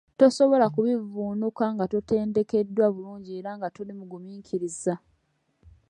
Tosobola kubivvuunuka nga totendekeddwa bulungi era nga toli mugumiikiriza!